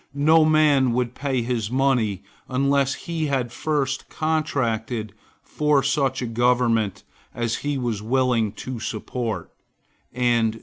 No man would pay his money unless he had first contracted for such a government as he was willing to support; and,2.